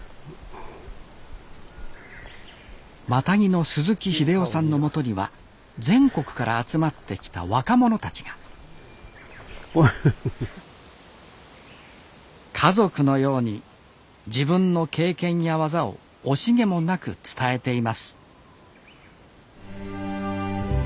マタギの鈴木英雄さんのもとには全国から集まってきた若者たちが家族のように自分の経験や技を惜しげもなく伝えています